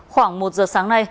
khoảng một giờ sáng nay